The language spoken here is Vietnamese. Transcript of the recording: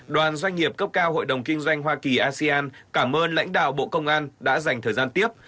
đoàn doanh nghiệp cấp cao hội đồng kinh doanh hoa kỳ asean cảm ơn lãnh đạo bộ công an đã dành thời gian tiếp